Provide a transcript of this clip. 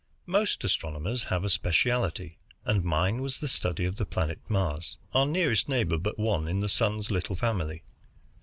Most astronomers have a specialty, and mine was the study of the planet Mars, our nearest neighbor but one in the Sun's little family.